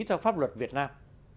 theo pháp luật việt nam